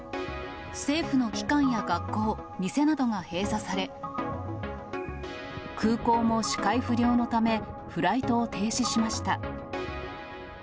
政府の機関や学校、店などが閉鎖され、空港も視界不良のため、フライトを停止しました。